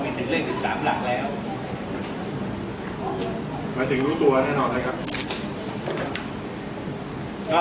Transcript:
หมายถึงลูกตัวแน่นอนนะครับ